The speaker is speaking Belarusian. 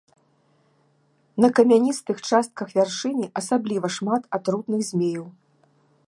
На камяністых частках вяршыні асабліва шмат атрутных змеяў.